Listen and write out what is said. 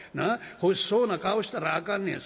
欲しそうな顔したらあかんねや。